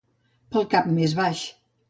Pel cap més baix.